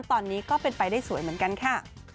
ตอนนี้ก็เป็นไปได้สวยเหมือนกันค่ะ